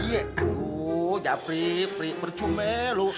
iya aduh jafri prik percuma lu